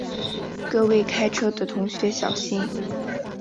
各位开车的同学小心